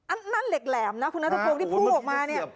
อันนั้นเหล็กแหลมนะคุณนัฐพลวงที่พูดออกมานี่